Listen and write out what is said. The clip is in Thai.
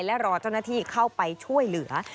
และรอเจ้าหน้าที่เข้าไปช่วยเหลือ